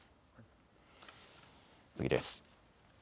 次です。